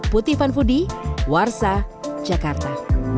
putih fun foodie warsa jakarta